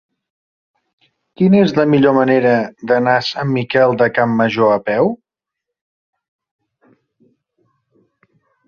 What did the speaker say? Quina és la millor manera d'anar a Sant Miquel de Campmajor a peu?